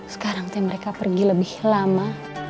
sekarang tuh mereka pergi lebih lama